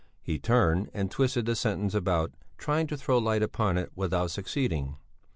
He turned and twisted the sentence about, trying to throw light upon it, without succeeding.